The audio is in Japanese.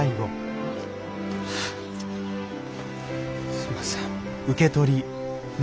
すいません。